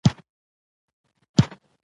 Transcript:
احمدشاه بابا به تل له ملت سره رښتینی و.